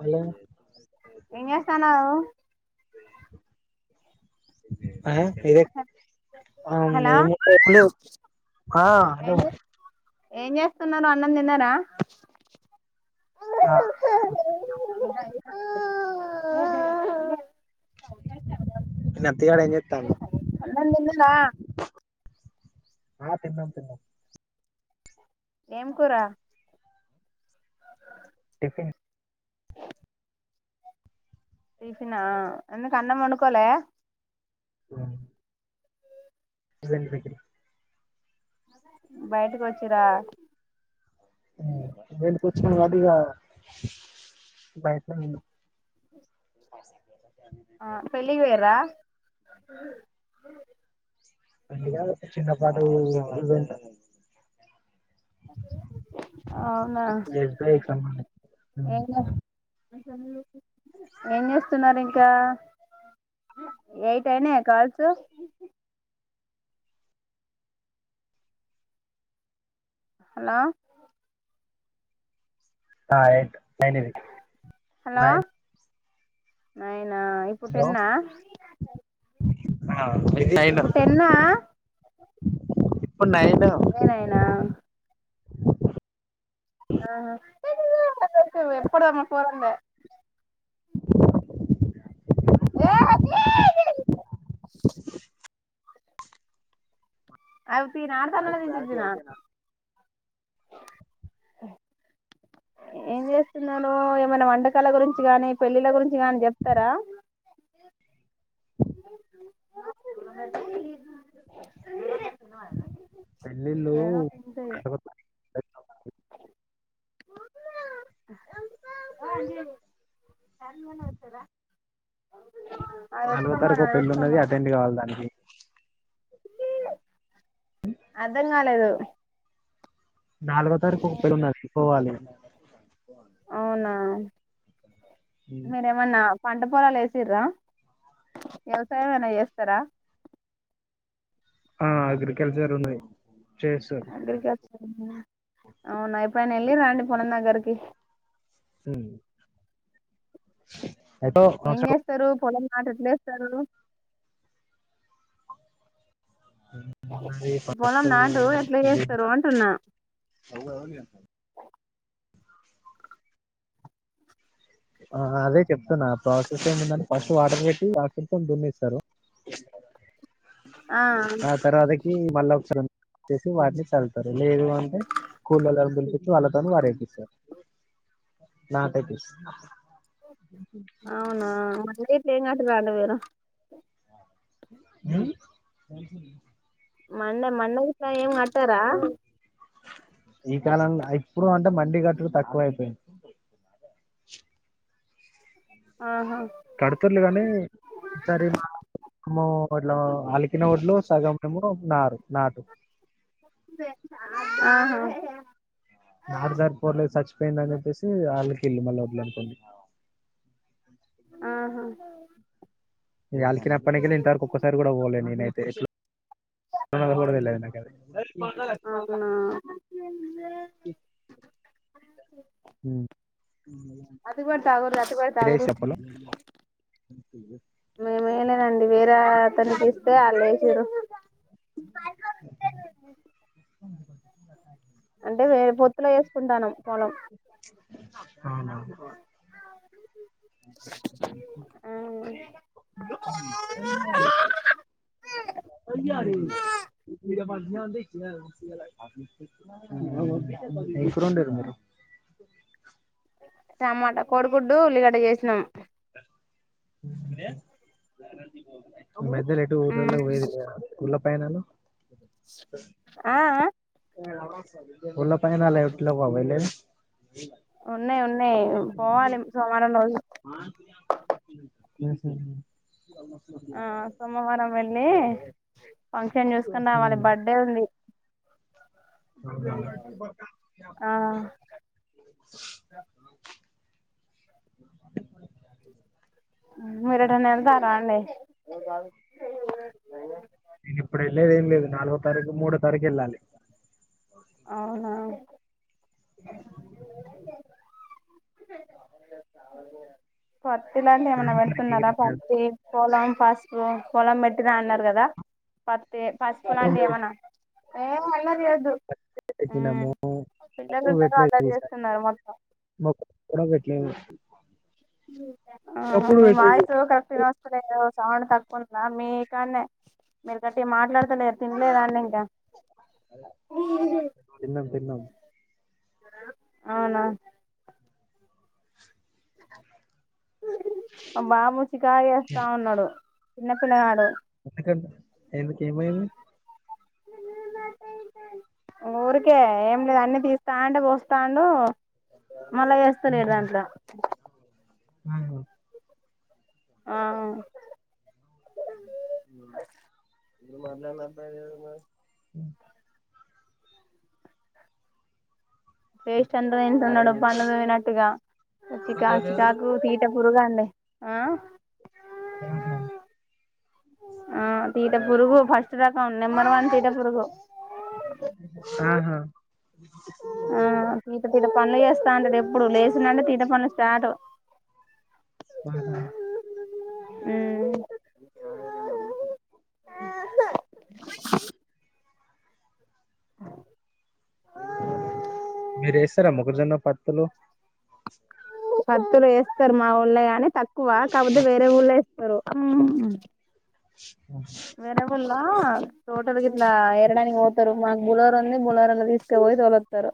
Hello ఏం చేస్తాన్నావు [unintelligible] ఆ hello hello ఏం ఏం చేస్తున్నారు అన్నం తిన్నారా ఆ [unintelligible] పిలగాడు ఎం చేత్తాండు అన్నం తిన్నారా ఆ తిన్నాం తిన్నాం ఏం కూర టిఫిన్ టిఫిన్ అ ఎందుకు ఆన్నం వొండుకోలే [unintelligible] జిందగీ బయటకు వచ్చేదా [inaudible] వాటిగా ప్రయత్నం [inaudible] ఆ పెళ్లికి పోయర్రా పెళ్లి కాధు చిన్న పాటు [unintelligible] అవునా ఎస్బిఐకి సంబంధించి ఏ ఏం చేస్తున్నారు. ఇంకా ఎయిట్ అయినా కాల్స్ హలో ఆ ఎయిట్ అయనయ్ హలో నైయెన్ నైనా ఆ ఇప్పుడు హలో టెన్నాహా ఆ ఇది నైన్ ఇప్పుడు టెన్నాహా నువ్వే నాయెన్ ఎప్పుడు అమ్మ పోద్దాం లే ఏ అక్కి అ వీళ్ళు ఆడ్తాల్ వాయిస్ లనే తీసి క్లారిటీ ఉంచిన ఓకేనా ఏం చేస్తున్నాను ఏమైనా వంటకాల గురించి గాని పెళ్ళిళ్ళ గురించి గాని చెప్తారా ప్చ్ పెళ్ళిళ్ళు ఏమో అంతే ఇగా [unintelligible] అది నాలుగో వేసుకోమ్మా తారీఖు ఓ నాది పెళ్లి ఉన్నది. వేసుకోమ్మా అటెండ్ కావాలి దానికి అర్ధం కాలేదు. నాలుగో తారీఖ ఓ పెళ్లి ఉన్నది. పోవాలి. అవునా మరేమన్నా పంట పొలాలు వేసిర్రా వ్యవసాయం ఏమైనా చేస్తారా ఆ అగ్రికల్చర్ లు ఉన్నాయి. అగ్రికల్చర్ అవునా ఎప్పుడైనా వెళ్లిర్రా అండి పోల్లం దగ్గరకి హ్మ్ ఏం చేస్తారు పొలం నాటు ఎట్లే వేస్తారు. మాది పొలం నాటు ఎట్లా చేస్తారు అంటున్నా [unintelligible] ఆ అదే చెప్తున్నాను ఆ ప్రాసెస్ ఏందని ఫస్ట్ వాటర్ పెట్టి టాక్టర్ తోని దున్నిస్తారు ఆ తర్వాదకి మళ్ళ ఒక సారి వచ్చేసి వారిని చల్తారు లేదు అంటే కూలి వాళ్ళని పిలిపిచ్చి వాళ్ళతో వారి ఏపిస్తారు నాటు ఏపిస్తారు అ అవునా మ ఏంగాట రాండి మీరు ఉమ్ మం అన్న మన్నదిస ఏమన్న గట్టరా ఈ కాలం ఇప్పుడు అంటే మండి కట్టులు తక్కువ అయిపోయింది ఆహా కడుతర్లు కానీ సరిము ఇట్లా అలికిన ఒడ్లు సగం మేము నారు నాటు ఆహా నాటు సారిపోర్లేదు చచ్చిపోయిందని చెప్పేసి అలికిండ్లు మళ్ళ ఒడ్లు అనుకోండి అ ఆహా ఈయాల్కి అప్పన్కెల్లి ఇంతవకు ఒక్కసారి కూడా పోలే నేనైతే [inaudible] తెల్వదు నాకుఅది అవునా ఉ అది కూడా తాగో అతిబ తాగో చెప్పలో లేదండి వేరే అతన్ని తీస్తే అళ్ళేసింరు అంటే వేరే పొత్తులో వేసుకుంటానం పొలం అవునవును [inaudible] [inaudible] హ్మ్మ్ ఏం కూర ఒందిర్రు మరి టమాటా కోడిగుడ్డు ఉల్లిగడ్డ చేసినాం హ్మ్మ్ మద్ద్యలో ఎటూ ఊర్లలకు పోయేది లేదా ఊర్ళ పైనలు ఆ ఆ [inaudible] ఉల్ల పైనలు ఎటు లేవా వెళ్లేవి ఉన్నాయి ఉన్నాయి పోవాలి సోమవారం రోజు [inaudible] ఆ సోమవారం వెళ్లి నేను చూసుకున్నా వాళ్ళది అవునా. బర్త్డే ఉంది ఆ మరెటన్నఎల్తారా అండి ఏ కాదు నేను ఇప్పుడు వెళ్లేది ఏం లేదు నాలుగో తారీఖు మూడో తారీఖు ఎళ్ళాలి అవునా పత్తి లాంటివి ఏమైన్నా రెండో తారీఖు పెడుతున్నారా ఎగిరింగ్ కాదు. పత్తి పొలం పస్పు పొలం పెట్టిన అన్నారు కదా అంటే పసుపు అప్పుడు మేము లాంటివేవన్నా ఏ ఆనంద్ లేదు పెట్టినాము పిల్లలు అప్పుడు ఉన్నారు అల్లరి పెట్టలేదు ఈసారి చేస్తున్నారు మొత్తం ఊ ఊ మీ వాయిస్ గట్టిగ వస్తలేద సౌండ్ తక్కు పును మీ కన్నే మీరు గట్టిగా మాట్లాడతలేరు తినే అనలేదుగ తిన్నం తిన్నం అవునా మా బాబు చికాయ చేస్తా ఉన్నాడు చిన్న పిల్లగాడు ఎందుకండి ఎందుకు ఏమైంది ఊరికే ఏం లేదు అన్ని తిస్తాంటే పోస్తాండు మళ్ళా చేస్తాడలేడు దాంట్లో ఉమ్ హు ఆ వేస్ట్ అంద్రేం న్నాడు పనులు తనట్టుగా చికా చికాకు తీట పురుగు ఆ ఆహా ఆ తీట పురుగు ఫస్ట్ కం నెంబర్ వన్ తీట పురుగు ఆహా! ఆ తీట పిరప్ మళ్ళీ చేస్తా అండి రేపు ఇప్పుడు లేచినంటే తీట పనులు స్టార్ట్ ఆహా మీరు వేస్తారా మొక్కజొన్న పత్తులు పత్తులు వేస్తారు మాఊళ్ళ గాని తక్ క్కువ కాకపోతే వేరే ఊరులే ఏస్తారు అం అ వెరె వుల్లా తోటల్ గిట్లా ఎరడానికి పోతారు మాకు బులోరా ఉంది బులోరా తీసుక పోయి తొలివతారు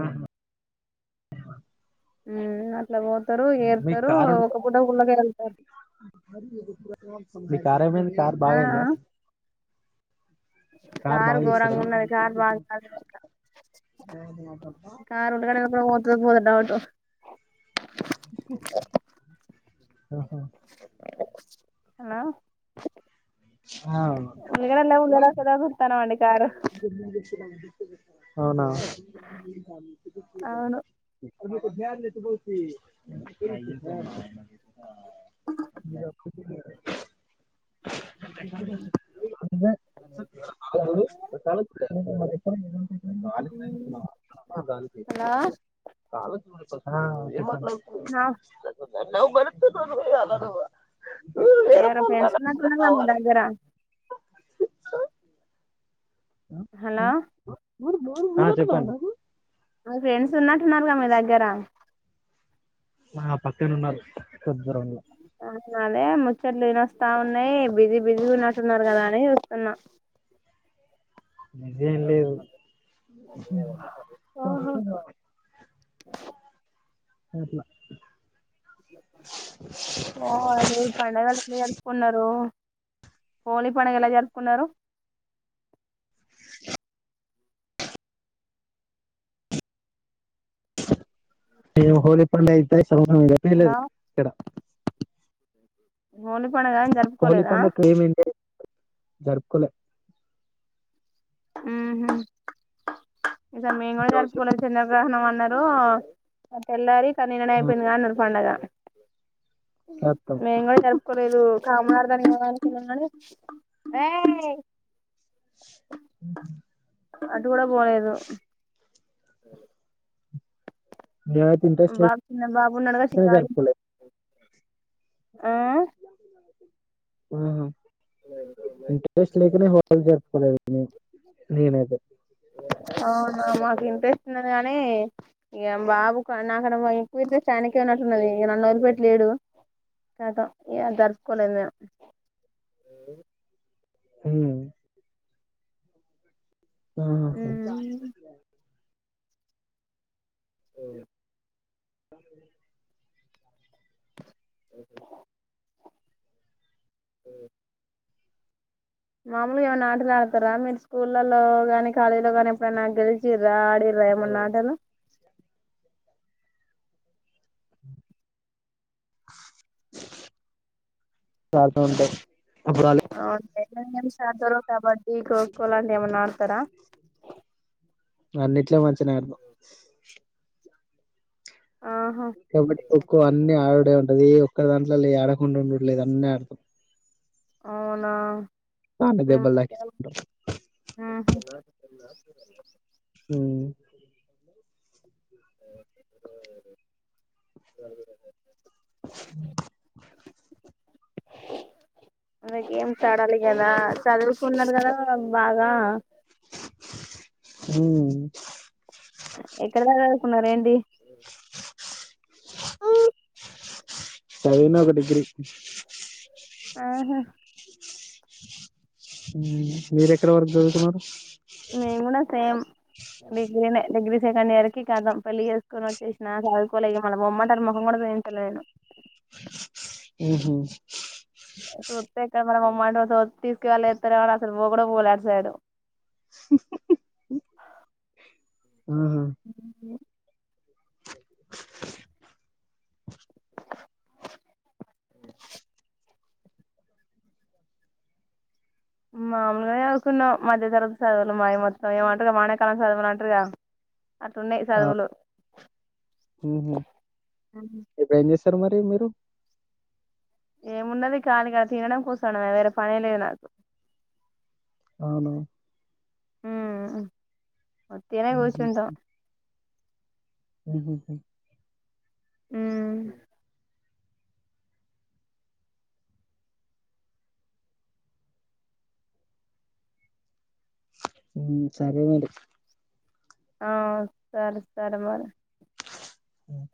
ఆహా ఉమ్ నత్ ఇట్లా పోతారు మీ ఏరుతారు కారు ఉంటే ఒక పూట గుళ్ళకే వెళ్తారు మీ కార్ ఏమైంది మీ కార్ ఆ బాగా అయిందా కార్ కారు ఘోరంగా చేస్తారా ఉన్నది కార్ బాగా కాదు ఇంకా కారు ఉంటదా పోతుందో పోదో డౌట్ ఆహా హలో ఆ! ఉల్లిగడ్డలు లేవు గదా గదా చూతన్నమండి కారు అవునా సంతు గాయ్ అవును రేపు పొద్దుగాల తెచ్చి పొంది ఆ అబిరా పొందిరా నచ్చదు బ్రో మల్ల ఎపుడు హీరో నాలుగు వేపుల అంత గాలికి హలో కలకి పొద్దున హిమోగ్లోబిన్ నా నన్ను నవ్వు బడుతున్నావు నువ్ ఈయల నువ్ ఎవరో ఫ్రెండ్స్ నాకు ఉన్నారు గా మీ దగ్గర హలో ఆ చెప్పన్నా మాక్ ఫ్రెండ్స్ ఉన్నట్టున్నారుగా మీ దగ్గర ఆ పక్కనే ఉన్నారు కొద్ అట్లానే ముచ్చట్లు ఇనొస్త్ స్తా ఉన్నయి బిజీ బిజీగ ఉన్నట్టున్నారు కదా అనీ చూస్తున్నా. బిజీ ఏం లేదు. అట్లా ఓ అదే పండగలు ఎట్ల జరుపుకున్నరూ. హోలీ పండగ ఎలా జరుపుకున్నరు. నేను హోలీ పండుగ అయితే సంవత్సరం గట్టిగలేదు హలో ఇక్కడ. [unintelligible] పోలేదని హోలీ జరుపుకోలేదా. పండుగ ఏమైంది జరుపుకోలే. ఊహూ ఈసారి మేముగూడ జరుపుకోలే చంద్ర గ్రహణం అన్నం కో తెల్లారి సార్ నిన్ననే ఆ అయిపోయింది కదా అన్నడు పండగా. చేత్తం మేము గూడా జరుపుకోలేదూ. కమార్థానికి పోదాం అనుకున్నం గానీ ఏ ఉ అటు గూడ పోలేదు. అవు నేనైతే ఇంట్రెస్ట్ లేదు. చిన్న బాబు ఉన్నాడుగా అందుకనే షికారు జరుపుకోలే. ఆ అ ఆహ ఇంట్రెస్ట్ లేకనే హోలీ జరుపుకోలేదు. హలో నేనైతే. అవునా మాకు ఇంట్రెస్ట్ ఉన్నది గానీ, ఇగా బాబుకు నాకన్న బాగా ఎక్కువ ఇంట్రెస్ట్ ఆయనకే ఉన్నట్టున్నదీ ఇగ నన్ను వదిలి పెట్టి లేడు. ఖతం ఇగ జరుపుకోలేదు మేము. హ్మ మేము ఆహ సో ఓ హఓ మాములుగా ఏమన్న ఆటలు ఆడతరా మీరు స్కూళ్ళల్లో గాని. కాలేజ్ లో గానీ ఎప్పుడైనా గెలిచిన్రా. న్రా ఏమన్నా ఆటలు. తాట ఉంటాయి అప్పుడాల్లే ఎన్నడ నుంచి ఆడతారో కబడ్డీ ఈ కోకో లాంటివి ఏమన్నా ఆడతారా చెమన్ అడినా ఆహా కబడ్డీ కోఖో అన్ని ఆడ ఉంటది ఏ ఒక్క దాంట్లో లే ఆడకుండా ఉండుడు లేదు అన్నీ ఆడతం అవునా సాన మేము దెబ్బల్ దాకిచ్చుకుంటాం [inaudible] ఉమ్ [unintelligible] అందు గేమ్స్ ఆడాలి కదా చదువుకున్నారు కదా బాగా ఉమ్ కున్నరేంటి ఊ సదివిన ఒక డిగ్రీ ఆహా మీరెక్కడ వరకు చదువుకున్నారు మేం కూడా సేమ్ డిగ్రీనే డిగ్రీ సెకండ్ ఇయర్ కి కతం పెళ్లి చేసుకొని వచ్చేసినా చదుకోలే ఇగ మళ్ళ బొమ్మంటారు ముఖం కూడా పోయించలేను ఉహు వత్తయి కనుక్కో ట తీసుకెళ్ళిస్తారు గానీ అని అసలు పో కూడా పోలేడుసాడు ఊ హు హు హు హు మామలుగానే చదువుకున్నాం మధ్య తరగతి చదువులు మాయి మొత్తం ఏమంటారుగా మానేకాలం చదువులు అంటారుగా అట్లున్నాయి ఆ చదువులు ఊ హు ఇప్పుడు ఏం సార్ మరి మీరు ఏమున్నది కాలీగా తినడం కూర్సోడమే వేర్ పనేలేదు నాకు అవును ఉమ్ ఉత్తినే కూసుంటాం ఊ హు హ్మ్ ఊ సరే మరి ఆ సర సరే మరి హ